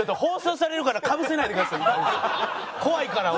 怖いから俺。